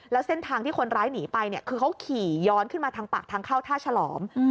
แล้วเส้นทางที่คนร้ายหนีไปเนี่ยคือเขาขี่ย้อนขึ้นมาทางปากทางเข้าท่าฉลอม